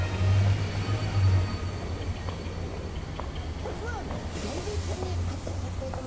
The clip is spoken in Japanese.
それではギョンズイちゃんに会っていただきたいと思います。